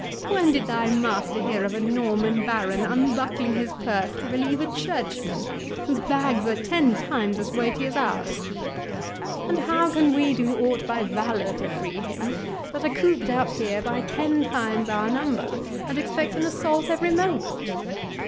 When did thy master hear of a Norman baron unbuckling his purse to relieve a churchman, whose bags are ten times as weighty as ours?—And how can we do aught by valour to free him, that are cooped up here by ten times our number, and expect an assault every moment?"